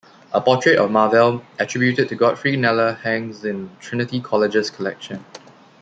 A portrait of Marvell attributed to Godfrey Kneller hangs in Trinity College's collection.